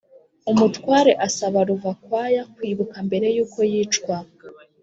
umutware asaba ruvakwaya kwibuka mbere yuko yicwa.